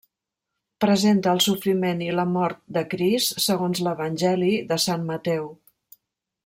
Presenta el sofriment i la mort de Crist segons l'Evangeli de Sant Mateu.